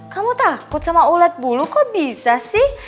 kamu takut sama ulat bulu kok bisa sih